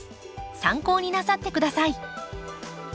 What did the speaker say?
参考になさってください。